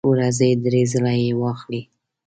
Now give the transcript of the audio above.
ورځې درې ځله یی واخلئ